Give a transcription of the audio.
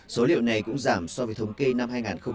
số liệu này cũng giảm so với thống kê năm hai nghìn một mươi tám